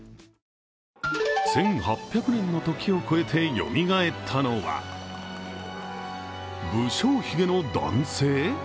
１８００年の時を超えてよみがえったのは不精ひげの男性？